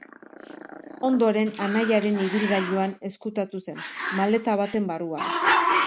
Ondoren, anaiaren ibilgailuan ezkutatu zen, maleta baten barruan.